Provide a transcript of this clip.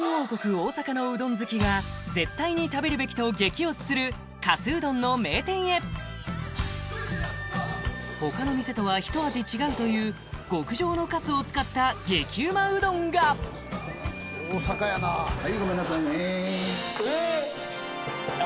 大阪のうどん好きが絶対に食べるべきと激推しするかすうどんの名店へ他の店とはひと味違うという極上のかすを使った激うまうどんがはいごめんなさいねえっ？